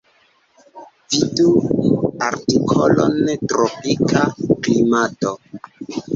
Vidu artikolon tropika klimato.